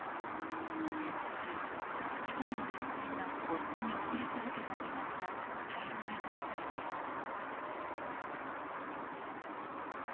戦時中一人の女性が夫に送り続けた手紙が大量に残されていた。